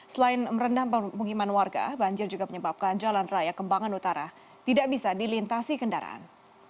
selain merendam pemukiman warga banjir juga menyebabkan jalan raya kembangan utara tidak bisa dilintasi kendaraan